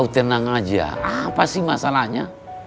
tenang aja apa sih masalahnya